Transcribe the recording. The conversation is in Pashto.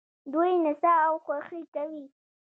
دوی نڅا او خوښي کوي.